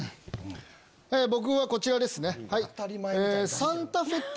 僕はこちらですね。